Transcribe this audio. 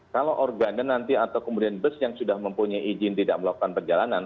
kalau organda nanti atau kemudian bus yang sudah mempunyai izin tidak melakukan perjalanan